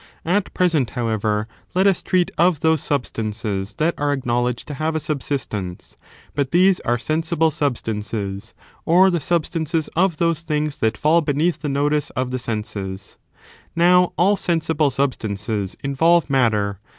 At present, however, let us treat of those substances that are acknowledged to have a subsistence ; but these are sensible substances, or the substances of those things that fall beneath the notice of the senses. 4. Substances Now, all Sensible substances involve matter.